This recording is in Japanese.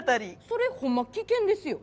それほんま危険ですよ。